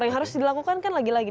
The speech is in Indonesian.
yang harus dilakukan kan lagi lagi